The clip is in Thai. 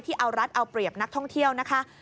เอารัฐเอาเปรียบนักท่องเที่ยวนะคะ